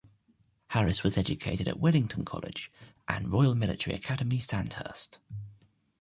Harries was educated at Wellington College and Royal Military Academy Sandhurst.